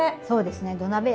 そうですね土鍋